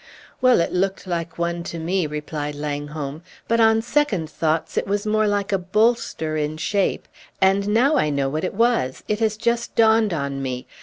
"Well, it looked like one to me," replied Langholm, "but, on second thoughts, it was more like a bolster in shape; and now I know what it was! It has just dawned on me.